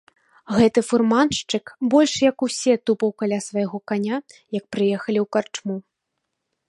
Гэты фурманшчык больш як усе тупаў каля свайго каня, як прыехалі ў карчму.